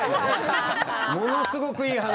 ものすごくいい話。